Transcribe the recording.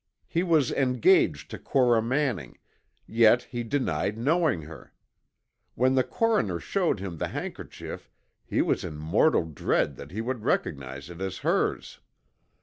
He was engaged to Cora Manning, yet he denied knowing her. When the coroner showed him the handkerchief he was in mortal dread that he would recognize it as hers.